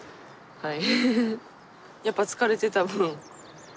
はい。